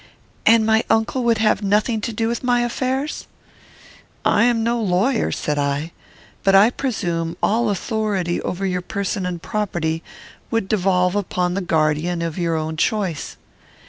"And my uncle would have nothing to do with my affairs?" "I am no lawyer," said I; "but I presume all authority over your person and property would devolve upon the guardian of your own choice."